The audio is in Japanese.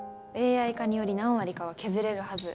ＡＩ化により何割かは削れるはず。